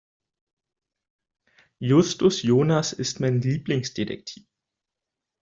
Justus Jonas ist mein Lieblingsdetektiv.